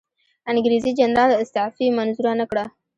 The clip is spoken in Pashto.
انګریزي جنرال استعفی منظوره نه کړه.